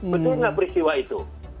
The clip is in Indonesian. betul nggak peristiwa itu